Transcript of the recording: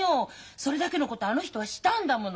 それだけのことあの人はしたんだもの。